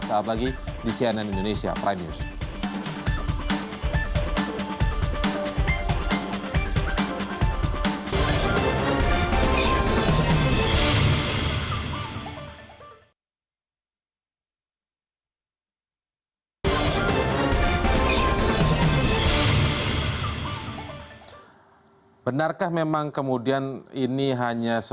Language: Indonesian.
saat lagi di cnn indonesia prime news